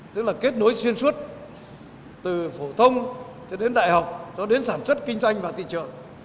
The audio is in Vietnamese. tức là kết nối xuyên suốt từ phổ thông cho đến đại học cho đến sản xuất kinh doanh và thị trợ